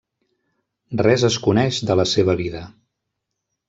Res es coneix de la seva vida.